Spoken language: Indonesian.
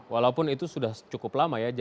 walaupun itu sudah cukup lama ya